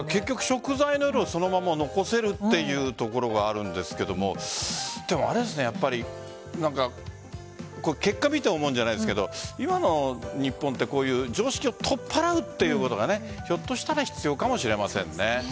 食材の色をそのまま残せるのはあるんですけど結果を見て思うじゃないですけど今の日本って常識を取っ払うっていうことがひょっとしたら必要かもしれませんね。